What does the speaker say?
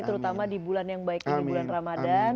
terutama di bulan yang baik ini bulan ramadhan